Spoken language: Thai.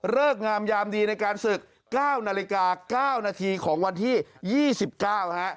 งามยามดีในการศึก๙นาฬิกา๙นาทีของวันที่๒๙ฮะ